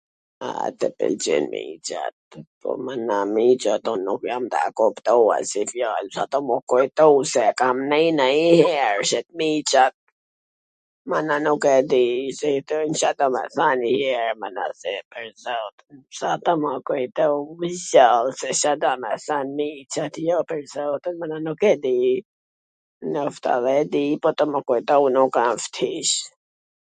A tw pwlqen me i Cat (e chat)? Po, mana, me i Cat un nuk jam tu kuptu asnjw fjal, po m u kujtu, se kam nii nanjher, i Cat, mana nuk e dii Ca do thot, e kam than nji her mana, s a tu m u kujtu ... C do me than i Cat, jo, pwr zotin, po, mana, nuk e dii, nofta edhe e di, po tw mw kujtohen ...